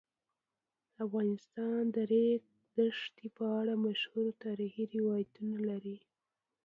افغانستان د د ریګ دښتې په اړه مشهور تاریخی روایتونه لري.